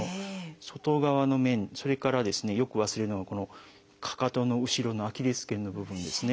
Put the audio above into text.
それからよく忘れるのがこのかかとの後ろのアキレス腱の部分ですね。